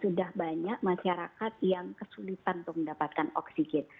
sudah banyak ya masyarakat yang kesulitan untuk mendapatkan rumah sakit